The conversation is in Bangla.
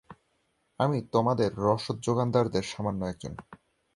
আমি তোমাদের রসদ-জোগানদারদের সামান্য একজন।